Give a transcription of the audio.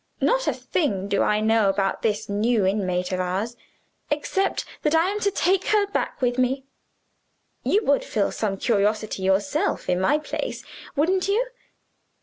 Not a thing do I know about this new inmate of ours, except that I am to take her back with me. You would feel some curiosity yourself in my place, wouldn't you?